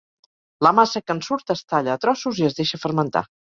La massa que en surt es talla a trossos i es deixa fermentar.